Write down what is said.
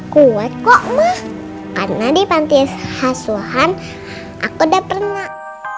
kuat kok mah karena di panti hasuhan aku udah pernah